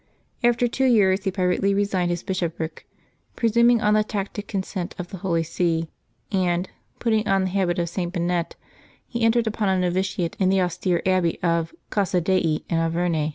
After two years he privately re signed his bishopric, presuming on the tacit consent of the Holy See, and, putting on the habit of St. Bennet, he entered upon a novitiate in the austere abbey of Casa Dei in Auvergne.